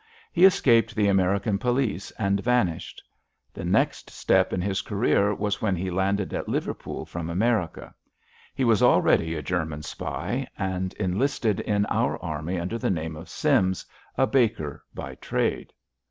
He escaped the American police, and vanished. The next step in his career was when he landed at Liverpool from America. He was already a German spy, and enlisted in our army under the name of Sims, a baker by trade."